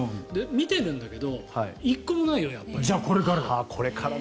見ているんだけど１個もないのやっぱり。